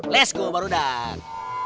let's go barudak